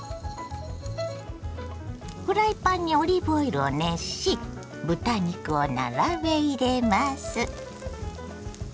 フライパンにオリーブオイルを熱し豚肉を並べ入れます。